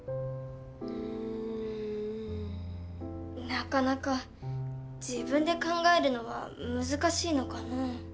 なかなか自分で考えるのは難しいのかのう。